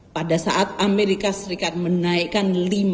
pada saat amerika serikat menaikkan